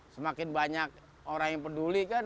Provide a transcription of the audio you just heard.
semakin banyak orang yang peduli kan